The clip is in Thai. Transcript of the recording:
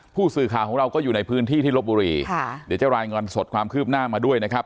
ผู้สื่อข่าวของเราก็อยู่ในพื้นที่ที่ลบบุรีค่ะเดี๋ยวจะรายงานสดความคืบหน้ามาด้วยนะครับ